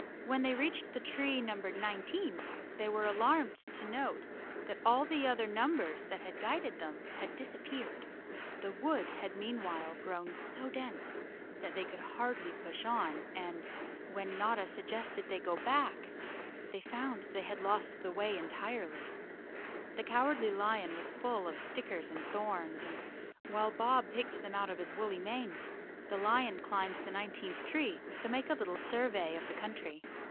When they reached the tree numbered nineteen, they were alarmed to note that nil the other numbers that had guided them had dis 125 The Co weirdly Lion of Oz appeared. The wood had meanwhile grown so dense that they could hardly push on and, when Notta sug¬ gested that they go back, they found they had lost the way entirely. The Cowardly Lion was full of stickers and thorns and, while Bob picked them out of his woolly mane, the clown climbed the nineteenth tree to make a little survey of the country.